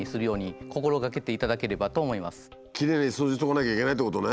日頃からきれいに掃除しとかなきゃいけないってことね。